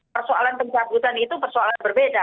persoalan pencabutan itu persoalan berbeda